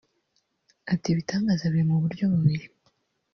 Ati “Ibitangaza biri mu buryo bubiri